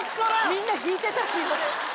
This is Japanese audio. みんな引いてたし。